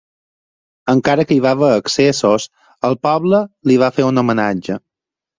Encara que hi va haver excessos, el poble li va fer homenatge.